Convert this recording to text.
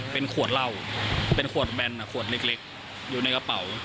เป็นขวดเหล้าเป็นขวดแบนขวดเล็กอยู่ในกระเป๋า